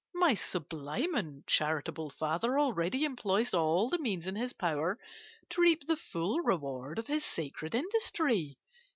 My sublime and charitable father already employs all the means in his power to reap the full reward of his sacred industry.